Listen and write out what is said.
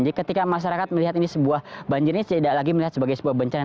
jadi ketika masyarakat melihat ini sebuah banjir ini tidak lagi melihat sebagai sebuah bencana